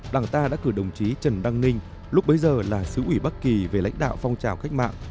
đảng ta đã cử đồng chí trần đăng ninh lúc bấy giờ là sứ ủy bắc kỳ về lãnh đạo phong trào cách mạng